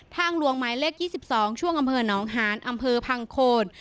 ทางหลวงหมายเลขยี่สิบสองช่วงอำเภอน้องฮานอำเภอพังโคน